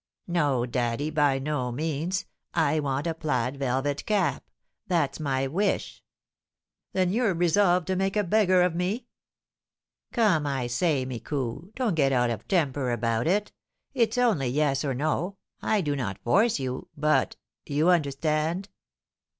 "No, daddy, by no means; I want a plaid velvet cap. That's my wish." "Then you're resolved to make a beggar of me?" "Come, I say, Micou, don't get out of temper about it. It's only yes or no, I do not force you, but you understand?"